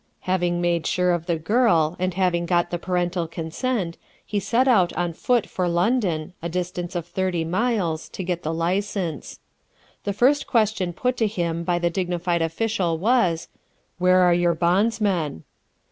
Having made sure of the girl, and having got the parental consent, he set out on foot for London, a distance of thirty miles, to get the license. The first question put to him by the dignified official was: "Where are your bondsmen?"